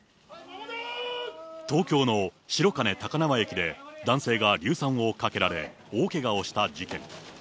東京の白金高輪駅で男性が硫酸をかけられ、大けがをした事件。